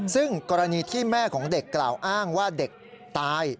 ซึ่งกรณีที่แม่ของเด็กกล่าวอ้างว่าเด็กตาย